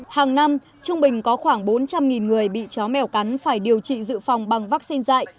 hàng năm trung bình có khoảng bốn trăm linh người bị chó mèo cắn phải điều trị dự phòng bằng vaccine dạy